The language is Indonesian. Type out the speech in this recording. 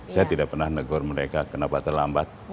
saya tidak pernah negor mereka kenapa terlambat